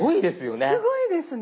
すごいですよね。